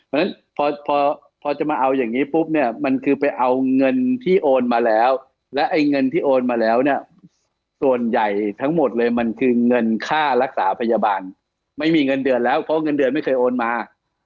เพราะฉะนั้นพอพอจะมาเอาอย่างนี้ปุ๊บเนี่ยมันคือไปเอาเงินที่โอนมาแล้วและไอ้เงินที่โอนมาแล้วเนี่ยส่วนใหญ่ทั้งหมดเลยมันคือเงินค่ารักษาพยาบาลไม่มีเงินเดือนแล้วเพราะเงินเดือนไม่เคยโอนมา